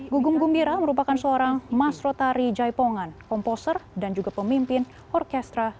gugung gumbira merupakan seorang mas rotari jaipongan komposer dan juga pemimpin orkestra